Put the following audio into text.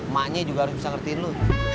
maknya juga harus bisa ngertiin lo